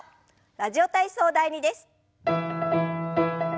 「ラジオ体操第２」です。